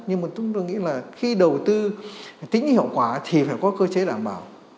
nhưng mà chúng tôi nghĩ là khi đầu tư tính hiệu quả thì phải có cơ chế đảm bảo